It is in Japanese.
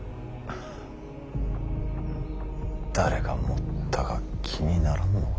誰が盛ったか気にならんのか。